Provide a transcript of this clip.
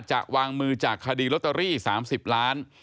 จะวางมือจากคดีลอตเตอรี่๓๐ล้าน